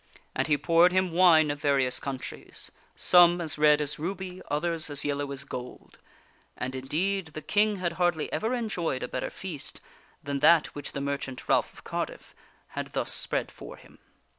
And he poured him wine of various countries some as red as ruby, others as yellow as gold ; and in deed the King had hardly ever enjoyed a better feast than that which the merchant, Ralph of Cardiff, had thus spread for him.